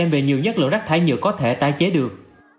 và có thể tái chế được